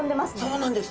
そうなんです。